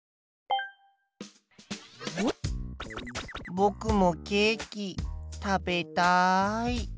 ぼくもケーキ食べたい。